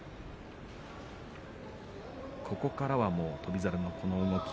ここからは翔猿のこの動き。